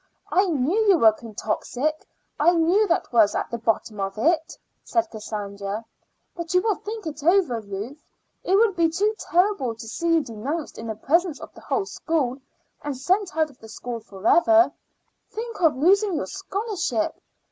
"I knew you were quixotic. I knew that was at the bottom of it," said Cassandra. "But you will think it over, Ruth. It would be too terrible to see you denounced in the presence of the whole school, and sent out of the school for ever. Think of losing your scholarship.